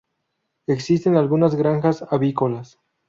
Existen algunas granjas avícolas.